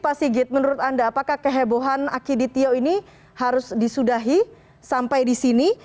pak sigit menurut anda apakah kehebohan akiditio ini harus disudahi sampai di sini